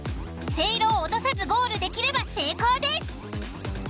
せいろを落とさずゴールできれば成功です。